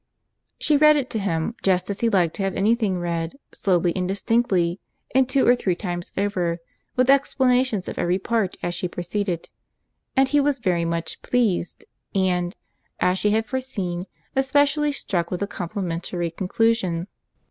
She read it to him, just as he liked to have any thing read, slowly and distinctly, and two or three times over, with explanations of every part as she proceeded—and he was very much pleased, and, as she had foreseen, especially struck with the complimentary conclusion.